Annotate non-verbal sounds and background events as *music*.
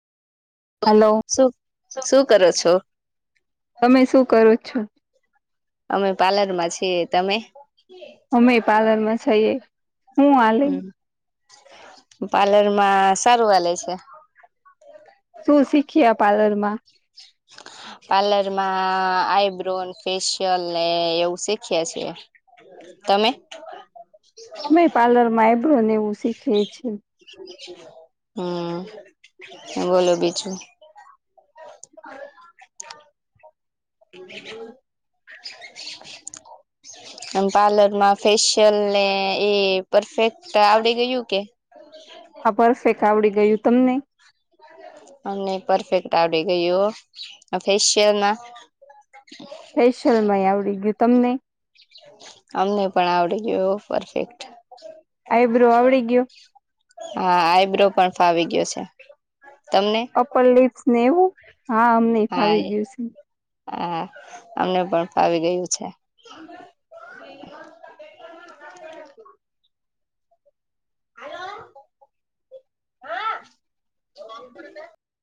Hello, શું શું કરો છો તમે શું કરો છો? અમે પાર્લર માં છીએ, તમે? અમે પાર્લર માં છઈએ. હું આલે? હમ પાર્લરમાં સારું આલે છે. શું શીખીયા પાર્લર માં? પાર્લર માં આઈબ્રો, ફેશિયલને ને એવું શીખીએ છીએ. તમે? અમે પાર્લર માં એબ્રોને એવું શીખીએ છીએ. હા, હે બોલો બીજું? *inaudible* *inaudible* અન પાર્લર માં ફેશિયલ ને એ પરફેક્ટ આવડી ગયું કે? હા પરફેંક આવડી ગયું તમને? અમને પરફેક્ટ આવડી ગયું. આ ફેશિયલમાં *inaudible* ફેશિયલમાં એ આવડી ગયું તમને? અમને પણ આવડી ગયુ પરફેક્ટ. આઈબ્રો આવડી ગયો હા આઈબ્રો પણ ફાવી ગયુ છે. તમને? અપર લીપ્સને એવું હા અમને હા ફાવી એ ગયું છે હા અમને પણ ફાવી ગયું છે. હાલો હા *unintelligible*